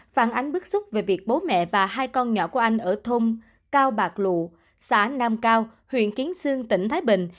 phản ánh bức xúc về việc bố mẹ và hai con nhỏ của anh ở thôn cao bạc lụ xã nam cao huyện kiến sương tỉnh thái bình